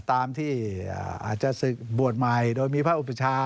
อาจอาจงั้นสึกบรรลับบริมัณฑิมัยโดยมีพระอุปชา